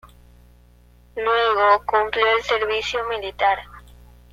Luego cumplió el servicio militar.